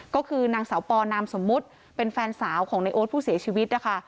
ก็คือนางสาวปอนามสมมุติเป็นแฟนสาวของในโอ๊ตผู้เสียชีวิตนะคะ